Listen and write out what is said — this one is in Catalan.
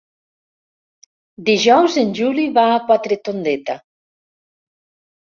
Dijous en Juli va a Quatretondeta.